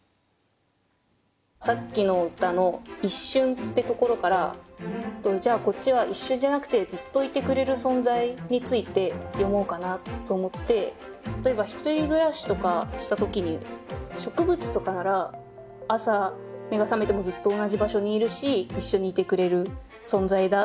さっきの歌の「一瞬」ってところからじゃあこっちは一瞬じゃなくて例えば１人暮らしとかした時に植物とかなら朝目が覚めてもずっと同じ場所にいるし一緒にいてくれる存在だって思ったので。